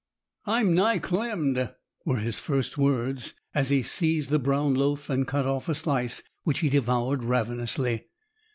'I'm nigh clemmed,' were his first words, as he seized the brown loaf and cut off a slice, which he devoured ravenously.